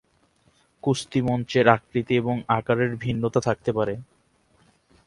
কুস্তি মঞ্চের আকৃতি এবং আকারের ভিন্নতা থাকতে পারে।